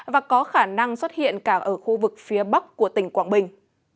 và có khả năng xuất hiện cả ở khu vực phía bắc của tỉnh quảng bình